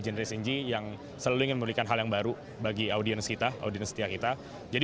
generation inji yang selalu ingin memberikan hal yang baru bagi audiens kita audience setia kita jadi